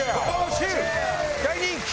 大人気！